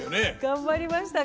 頑張りましたか？